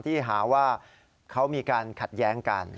ที่หาว่าเขามีการขัดแย้งกัน